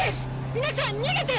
皆さん逃げて！」